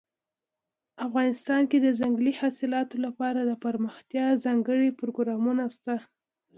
افغانستان کې د ځنګلي حاصلاتو لپاره دپرمختیا ځانګړي پروګرامونه شته.